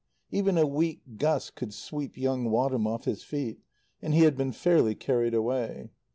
Even a weak gust could sweep young Wadham off his feet and he had been fairly carried away.